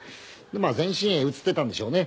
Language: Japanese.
まあ全身へ移っていたんでしょうね。